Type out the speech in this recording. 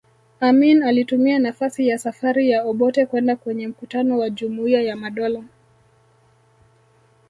Amin alitumia nafasi ya safari ya Obote kwenda kwenye mkutano wa Jumuiya ya Madola